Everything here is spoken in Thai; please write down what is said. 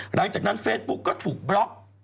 หลังจากนั้นเฟซบุ๊กก็ถูกบล็อก